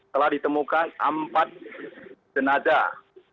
telah ditemukan empat jenazah